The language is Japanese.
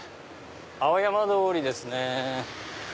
青山通りですね。